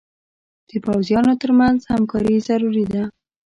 د پوځونو تر منځ همکاري ضروري ده.